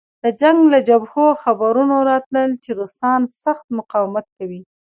د جنګ له جبهو خبرونه راتلل چې روسان سخت مقاومت کوي